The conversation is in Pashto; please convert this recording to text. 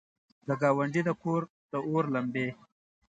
د ګاونډي د کور، داور لمبې!